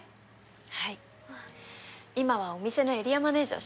はい今はお店のエリアマネージャーをしています